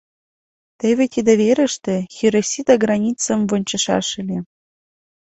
Теве тиде верыште Хиросита границым вончышаш ыле.